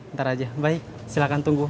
ntar aja baik silakan tunggu